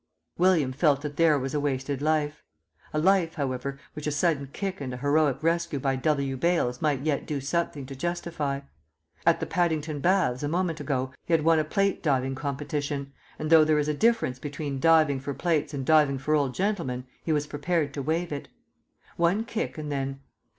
William felt that there was a wasted life; a life, however, which a sudden kick and a heroic rescue by W. Bales might yet do something to justify. At the Paddington Baths, a month ago, he had won a plate diving competition; and though there is a difference between diving for plates and diving for old gentlemen he was prepared to waive it. One kick and then